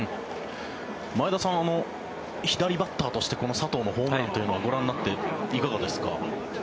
前田さん左バッターとしてこの佐藤のホームランをご覧になっていかがですか。